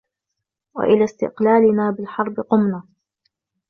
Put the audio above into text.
و إلى استقلالنا بالحرب قمنا